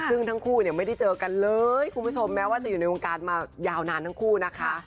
ซึ่งทั้งคู่เนี่ยไม่ได้เจอกันเลยคุณผู้ชมแม้ว่าจะอยู่ในวงการมายาวนานทั้งคู่นะคะ